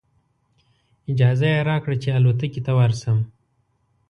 اجازه یې راکړه چې الوتکې ته ورشم.